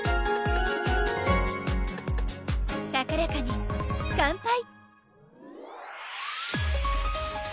高らかに乾杯！